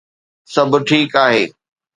سڀ ٺيڪ آهي